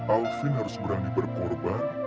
alvin harus berani berkorban